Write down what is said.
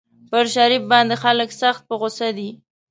پر شریف باندې خلک سخت په غوسه دي.